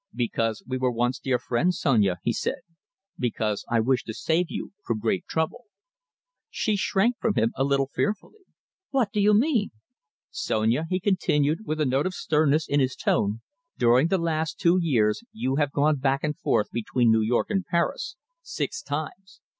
"Because we were once dear friends, Sonia," he said, "because I wish to save you from great trouble." She shrank from him a little fearfully. "What do you mean?" "Sonia," he continued, with a note of sternness in his tone, "during the last two years you have gone back and forth between New York and Paris, six times.